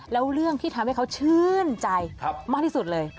แล้วเรื่องที่ทำให้เขาชื่นใจมากที่สุดเลย